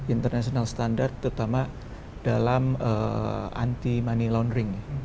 international standard terutama dalam anti money laundering